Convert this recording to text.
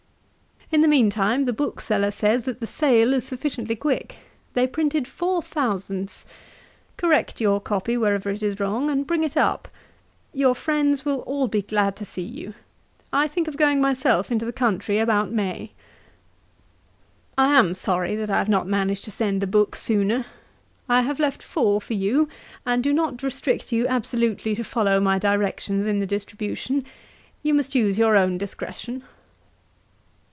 'In the mean time, the bookseller says that the sale is sufficiently quick. They printed four thousand. Correct your copy wherever it is wrong, and bring it up. Your friends will all be glad to see you. I think of going myself into the country about May. 'I am sorry that I have not managed to send the book sooner. I have left four for you, and do not restrict you absolutely to follow my directions in the distribution. You must use your own discretion.